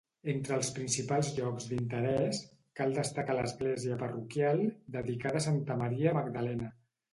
Entre els principals llocs d’interès, cal destacar l’església parroquial, dedicada a Santa Maria Magdalena.